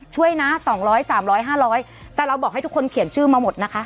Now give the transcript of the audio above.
ช่วยนะ๒๐๐๓๐๐๕๐๐แต่เราบอกให้ทุกคนเขียนชื่อมาหมดนะคะ